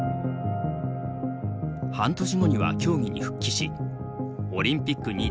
半年後には競技に復帰しオリンピック